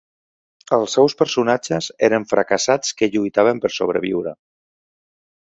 Els seus personatges eren fracassats que lluitaven per sobreviure.